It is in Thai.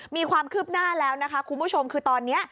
มีความคืบหน้าแล้วนะคะคุณผู้ชมคือตอนนี้